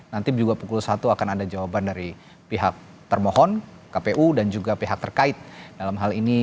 nanti juga pukul satu akan ada jawaban dari pihak termohon kpu dan juga pihak terkait dalam hal ini